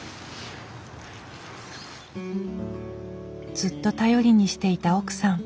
ずっと頼りにしていた奥さん。